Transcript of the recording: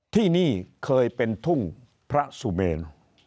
ที่นี่เคยเป็นทุ่งพระสุเมน